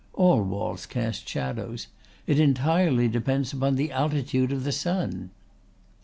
All walls cast shadows. It entirely depends upon the altitude of the sun."